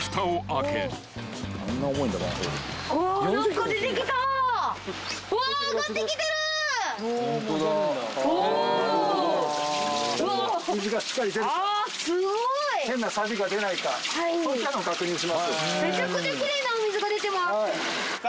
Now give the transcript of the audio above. めちゃくちゃ奇麗なお水が出てます。